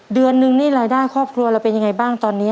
เดือนนึงนี่รายได้ครอบครัวเราเป็นยังไงบ้างตอนนี้